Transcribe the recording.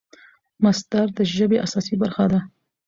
مصدر د ژبي اساسي برخه ده.